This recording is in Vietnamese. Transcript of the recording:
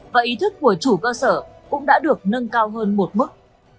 và ý thức của chủ cơ sở cũng đã được nâng cao hơn một mức